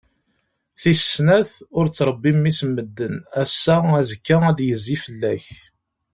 Tis snat, ur ttrebbi mmi-s n medden, ass-a, azekka ad d-yezzi fell-ak.